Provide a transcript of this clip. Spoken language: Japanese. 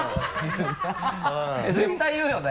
絶対言うよね。